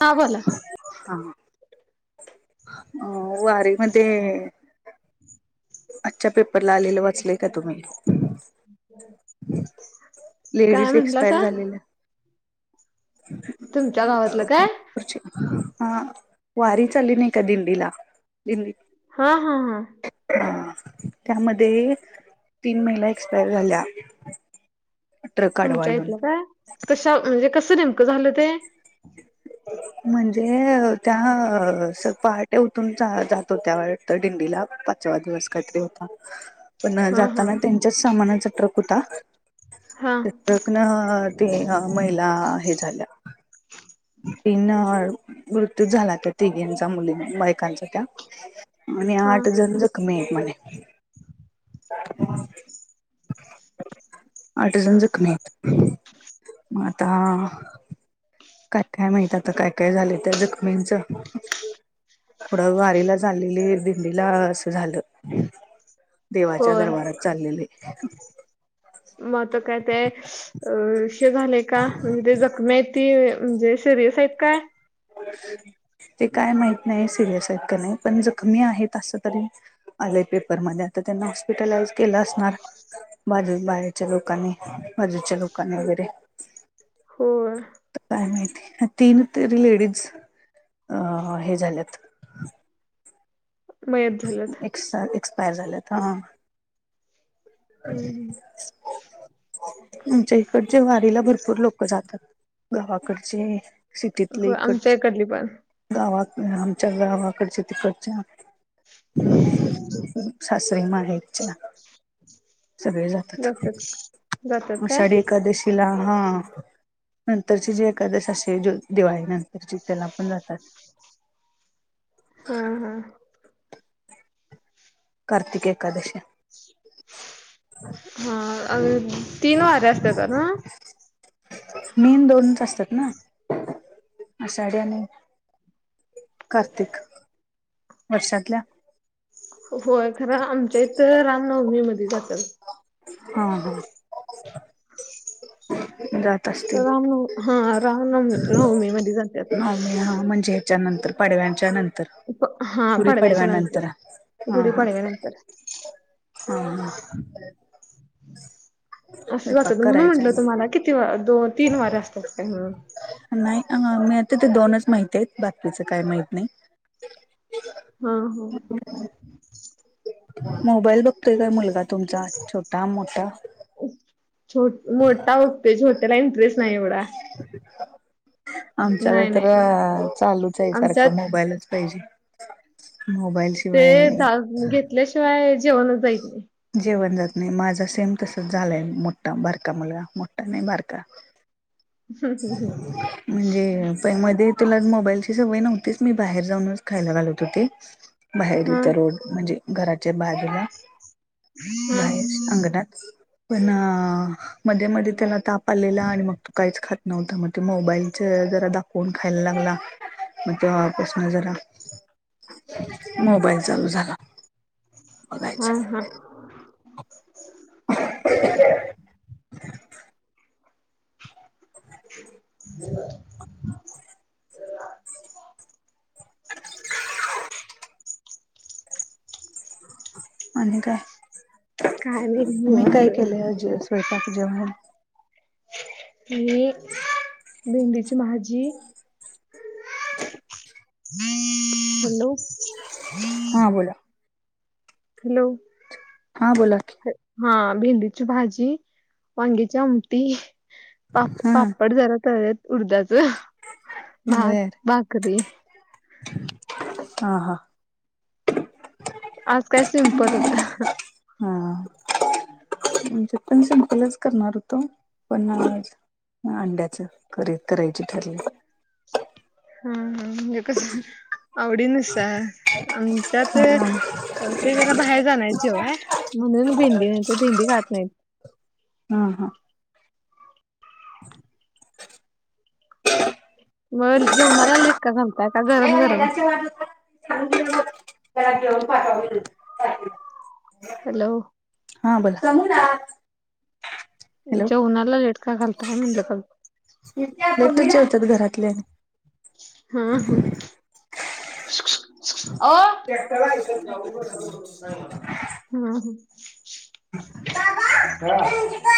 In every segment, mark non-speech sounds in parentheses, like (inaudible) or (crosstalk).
हा बोला हा अ वारी म अच्छा पेपरला आलेलं वाचलय का तुम्ही हम लेडीज एक्सपायर झालेल्या तुमच्या गावातलं काय हा वारी चाली नाही का दिंडीला दिंडी हा हा हा ह त्यामध्ये तीन महिला एक्सपायर झाल्या ट्रक आडवा तुमच्या येऊन इथलं का कशा म्हणजे कसं नेमकं झालं ते म्हणजे त्या पहाटे उतून जातो त्यावर तर दिंडीला पाच पाच दिवस काहीतरी होता (inaudible) पण हा जाताना त्यांच्याच सामानाचा ट्रक होता हा लगन ते महिला हे झाल्या पिन मृत्यू झाला तर तिघींचा मुली बायकांचा त्या आणि हा आठ जण जखमी आहेत म्हणे आठ जण जखमी आहेत मता काय काय माहित आता काय काय झाले त्या जखमींच थोडं वारीला झाचालेली दिंडीला असं झालं देवाच्या होय दरबारात चाललेले मत काय ते अ श झालेय का म्हणजे ते जखम आहेत ती म्हणजे सिरियस आहेत का ते काय माहीत नाई सिरियस ह्यात का नाही जखमी आहेत आस तरी आलेय पेपरमध्ये आता त्यांना हॉस्पिटलाइज केलं असणार. बाजु बाजुच्या लोकांनी बाजुच्या लोकांनी वगैरे हो ग. काय माहिती तीन तरी लेडीज अ हे झाल्यात मयत झाल्यात ए एक्सपयर झालेत हा हम् हम आमच्या इकडचे वारीला भरपूर लोक जातात गावाकडचे सिटीतले हो इकड आमच्या इकडली पण गावा आमच्या गावाकडचे तिकडच्या सास्री म हेच ना सगळे जातात जातात काय आषाढी एकादशीला हा नंतरची जी एखकादशी असे दिवाळी नंतरची त्याला पण जातात (inaudible) हा कार्तिकेकादशी हा तीन वाारे असते तर ना मेन दोनच असतात ना आ सााढ आणि कार्तिक वर्षातल्या होय खरं आमच्या इथं रामनवमी मध्ये जात्यात. हा हा जात असतील राम नवमी हा राम नवमी नवमी मध्ये जातात. ह म्हणजे याच्या नंतर पाडव्यांच्या नंतर हा गुढी पाडव्याच्या पडव्यानंतर नंतर हा हा गुढीपाडव्या नंतर. हा हा असं वाच स्वयंपाक म्हणा करायचा म्हटलं आहे मग तुम्हाला कि दोन तीन वार्या असतात काय म्हणून नाही मी आता ते दोनच माहित आहेत बाकीचं काय माहत नाही. हा हा मोबाईल बघतोय काय मुलगा तुमचा छोटा मोठा‌ मोठा बघतोय छोट्याला इंटरेस्ट नाही एवढा. आमच्याला नाही तर नाही चालुच आहे आमच्यात सारखं मोबाईलच पाहिजे मोबाईल. ते शिवाय घेतल्याशिवाय जेवणच जायच नाही. जेवण जात नाही माझा सेम तसच झालाय मोठा बारका मुलगा मोठा नाही बारका. म्हणजे मध्ये तुला मोबाईलची सवय नव्हतीच मी बाहेर जाऊनच खायला घालवत होते. बाहेर हा इथं रोड म्हणजे घराच्या बाजुला हा बाहेर. अंगणात पण मध्ये मध्ये त्याला ताप आलेला आणि मग तु काहीच खात नव्हत मग ते मोबाईलच जरा दाखवुन खायला लागला. म ते वापास नजरा. मोबाईल चालु झाला बघायच. हा हा ह ह आणि काय काय नाही तुम्ही निवांत काय केले आज स्वयंपाक. जेवन. ह भेंडीची भाजी. हॅलो हां बोला. हॅलो हां बोला. हा भेंडीची भाजी वांगीची आमटी. पाप हा पापड जरा तरयात उर्धाच भात भाकरी ह हा आज काय सिंपल हा म्हणजे पण सिंपल च करणार होतो पण अंड्याच करी करायची ठरली अन ऎंटिलेजेबल हा ह म्हणजे कस आवडीनुसार आमच्यात हा ते जरा बाहेर जाणार जेवाया म्हणुन भिंडी म्ह भ दिंडी खात नाहीत. हा हा म जेवणाला लेट का झालता गरम गरम. अन ऎंटिलेजेबल हॅलो हा बर सांग ना. जेवणाला लेट का झालता म्हणजे का अन ऎंटिलेजेबल हम हम अय मला हम् ह (unintelligible)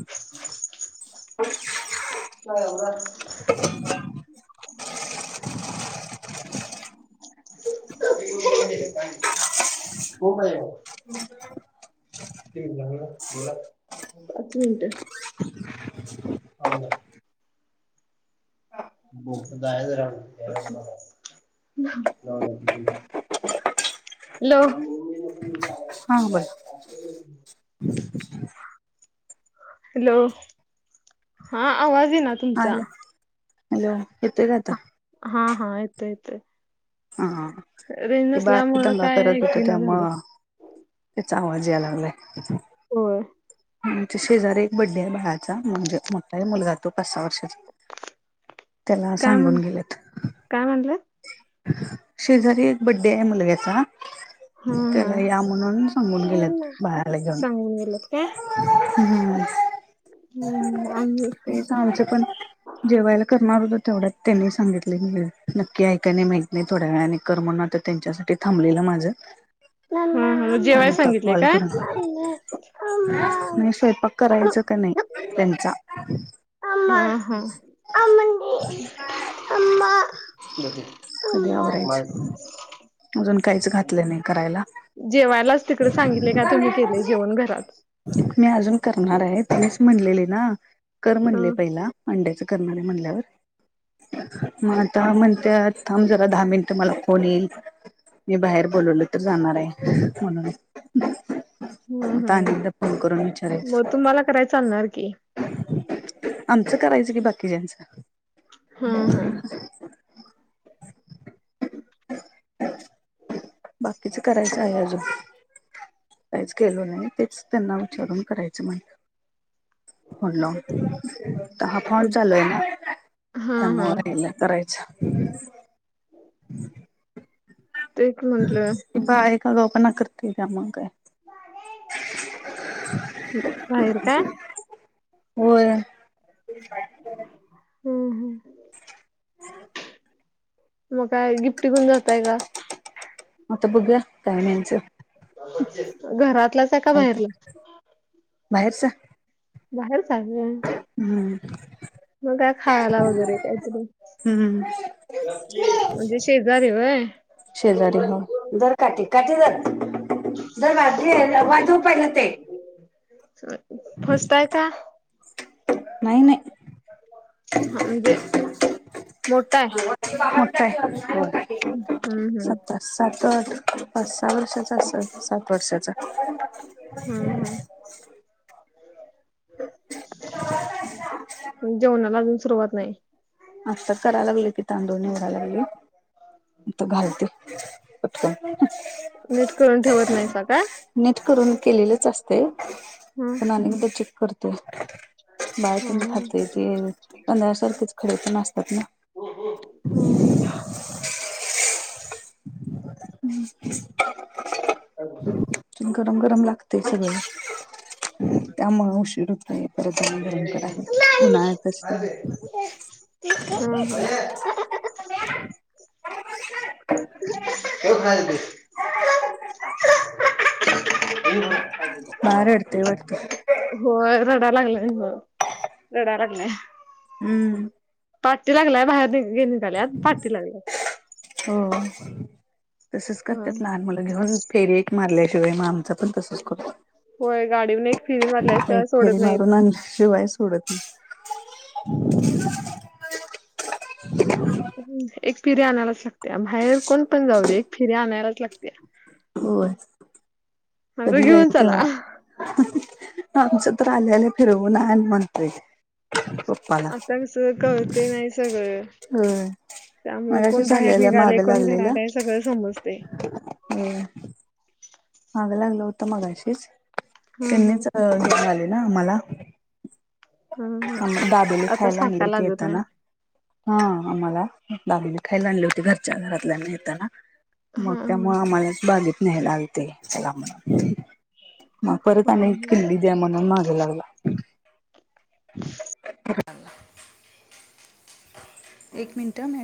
होय का (unintelligible) हो ह बोला पाच मिनट ह का (inaudible) हा बोला हॅलो हॅलो हा आवाज आहे ना तुमचा हॅलो हॅलो येते का आता हा हा येत ययेत हा ते बारी नसल्यामुळं दंगा काय कत होते ऐकूना झाले. त्यामुळं त्याचा आवाज यायला लागलाय हो आमच्या शेजाररी एक बर्थडे आहे बाळाचा म्हणजे मोठाय मुलगा तो पाच सहा वर्षाचा त्याला काय सांगून म्हण गेलेत काय म्हणलात? शेजारी एक बर्थडे आहे मुलग्याचा हा हा त्याला या म्हणून सांगून गेलेत बाळाला घेऊन हो गलत का हम्म हम् आम ते तर आमचं पण जेव्हायला करणार होत तेवढ्याच त्यांनी सांगितले नक्की ऐकाय नाही माहित नाही थोड्या वेळाने कर म्हून त्यांच्यासाठी थांबलेलं माझं पण जेवय आता सांगितलेय कॉल का करून नाही स्वयंपाक करायच का नाही त्यांचा हा हा अम अ कधी आवरायचं अजून काहीच घातलं नाही करायला (unintelligible) जेवायलाच तिकडे सांगितले का तुम्ही केले जेवण घरात मी अजून करणार आहे तुम्हीच म्हणलेले ना कर हा. म्हणले पहिला अंड्याच करणार नाही म्हणल्यावर मग आता म्हणते थांब जरा दहा मिनिटं मला फोन येईल मी बाहेर बोलवल तर जाणार आहे म्हणून हम्म (unintelligible) हम्म एकदा फोन करून विचारायच मग तुम्हाला कराय चालणार की. आमचं करायचं कि बाकीच्यांच हा हा. ह (inaudible) बाकीच करायचं आहे अजून काहीच केल नाही तेच त्यांना विचारून करायचं म्हण म्हणलं तर हा फोन चालू आहे ना हा हा त्यामुळे करायचा हम् हम् तेच म्हंटलं (inaudible) बाहेर काय. होय. हो हो (inaudible) मग काय गिफ्ट घेऊन जाताय का. आता बघूया काय न्यायचं घरातलाच आहे का बाहेरला. बाहेरचा. बाहेर चाललोय. हम्म. मग काय खायाला वगैरे काहीतरी. हुं हुं हुं म्हणजे शेजारी व्हय. शेजारी हो धर काठी काठी धर धर काठी वाजू पाहिलं ते. फस्तय का. नाही नाही. ह म्हणजे मोठा आहे. मोठा आहे हो. हम्म हम्म. सात पाच सहा वर्षाचा असल सात वर्षाचा. हम्म हम्. जेवणाला अजून सुरुवात नाही. अस कराय लागली ति तांदूळ निवडा लागली. घालते पटकन. नीट करून ठेवत नाहीसा का. नीट करून केलेलच असते हम्म पण आम्ही एकदा चेक कर बाहेर पण जात हम्म ते तांदळा सारखेच खडे पण असतात ना. हो हो हम्म हम्. (inaudible) हम्. गरम गरम लागते सगळं. त्यामुळे उशीर होतोय (inaudible) परत आणि गरम करायला उन्हाळ्यातच तेवढं (inaudible) (unintelligible) (unintelligible) बाळ रडतंय वाटतं (inaudible) होय रडा लागलाय हो रडा लागलाय. हम्म. पाटी लागलाय बाहेर नि हे निघाल्यात पाटी लागल्या हो तसच लागलाय करत्यात लहान मुल घेऊन फेरी एक मारल्याशिवाय म आमचा पण तसच करतो. होय गाडीवरून एक फिरी एक मारल्याशिवाय फेरी सोडत नाहीत मारून आणल्याशिवाय सोडत नाय. हूं एक फिरी आणायलाच लागते. बाहेर कोण पण जाऊ दे एक फिरी आणायलाच लागते. होय. आता कधी घेऊन जाईत चला तेव्हा आमचं तर आल्या आल्या फिरवून आण म्हणतय. आता कस कळतय नाय सगळं व्हय त्यामुळ कोण बाहेर निघालय कोण घराात हाय सगळं समजतय. वया मागं लागलं होत मगाशीच हा हा त्यांनीच अ हे आले ना मला हा म दाबेली आता खायला आणली साकाय होती लागत नाही येताना. हा आम्हाला दाबेली खायला आणली होती घरच्या घरातल्यांना येताना. हा मग हा त्यामुळ आम्हालाच बागेत न्ह्यायला आलते. चला म्हणून म्हतारत हा आणि हा. किल्ली दया म्हणून माग लागला. (unintelligible) याल्ला एक मिनटं ह मॅ